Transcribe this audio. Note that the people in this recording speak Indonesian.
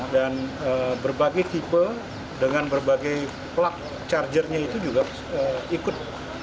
dan berbagai tipe dengan berbagai plug chargernya itu juga ikut